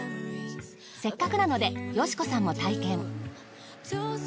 せっかくなのでよしこさんも体験。